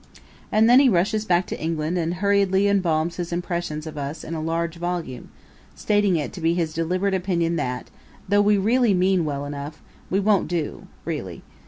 And then he rushes back to England and hurriedly embalms his impressions of us in a large volume, stating it to be his deliberate opinion that, though we mean well enough, we won't do really.